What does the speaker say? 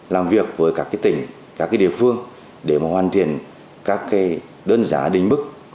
làm việc với các tỉnh các địa phương để hoàn thiện các đơn giá đỉnh bức